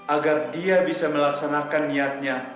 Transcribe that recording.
agar dia bisa melaksanakan niatnya